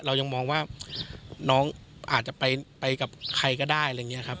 เรายังมองว่าน้องอาจจะไปกับใครก็ได้อะไรอย่างนี้ครับ